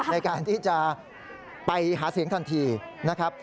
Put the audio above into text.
ในการที่จะไปหาเสียงทันทีนะครับ